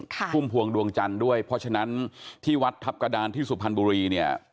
พุ่มพวงดวงจันทร์ด้วยเพราะฉะนั้นที่วัดทัพกระดานที่สุพรรณบุรีเนี่ย